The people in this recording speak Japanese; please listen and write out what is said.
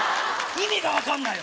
意味が分かんないよ！